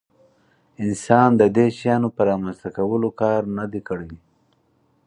انسان د دې شیانو په رامنځته کولو کار نه دی کړی.